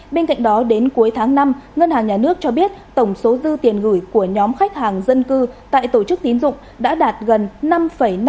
bên cạnh đó đến cuối tháng năm ngân hàng nhà nước cho biết tổng số dư tiền gửi của nhóm khách hàng dân cư tại tổ chức tín dụng đã đạt gần năm năm